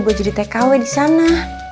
buat jadi tkw disana